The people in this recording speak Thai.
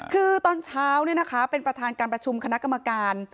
คือตอนเช้าเป็นประธานการประชุมคณะกรรมการ